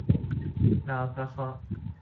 ดาวพระเคราะห์